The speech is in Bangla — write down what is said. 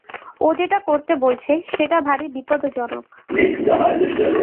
ও যেটা করতে বলছে সেটা ভারি বিপজ্জনক।